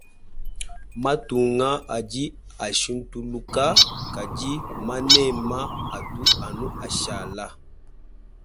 Matunga adi ashintuluka kadi manema atu anu ashala.